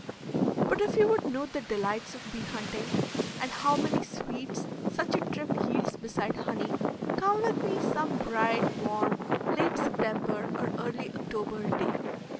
But if you would know the delights of bee hunting, and how many sweets such a trip yields beside honey, come with me some bright, warm, late September or early October day.